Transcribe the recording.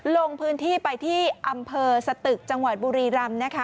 ลงพื้นที่ไปที่อำเภอสตึกจังหวัดบุรีรำนะคะ